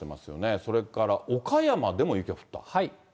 それから岡山でも雪が降った。